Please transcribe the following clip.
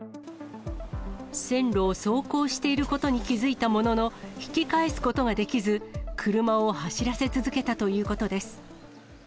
線路を走行していることに気付いたものの、引き返すことができず、車を走らせ続けたということです。